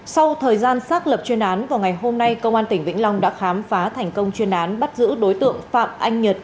sau thời gian xác lập chuyên án vào ngày hôm nay công an tỉnh vĩnh long đã khám phá thành công chuyên án bắt giữ đối tượng phạm anh nhật